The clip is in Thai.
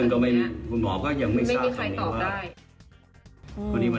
คุณหมอก็ยังไม่ทราบตรงนี้ว่า